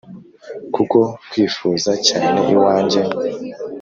Kuko nkwifuza cyane iwanjye